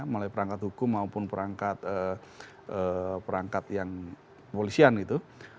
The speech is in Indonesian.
melalui perangkat hukum maupun perangkat yang polisian gitu